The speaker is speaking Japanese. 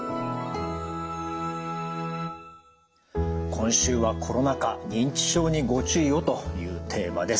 今週は「コロナ禍認知症にご注意を」というテーマです。